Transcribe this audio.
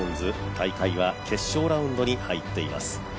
大会は決勝ラウンドに入っています。